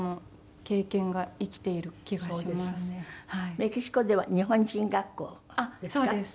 メキシコでは日本人学校ですか？